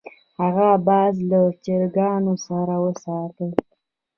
هغه باز له چرګانو سره وساته.